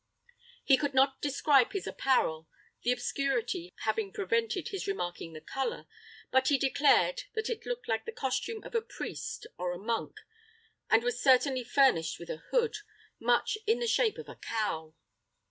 He could not describe his apparel, the obscurity having prevented his remarking the color; but he declared that it looked like the costume of a priest or a monk, and was certainly furnished with a hood, much in the shape of a cowl.